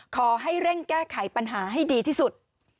ขอให้เร่งแก้ไขปัญหาให้ดีที่สุด